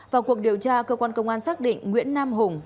vào cuộc điều tra cơ quan công an xác định nguyễn nam hùng